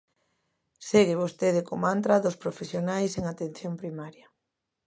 Segue vostede co mantra dos profesionais en atención primaria.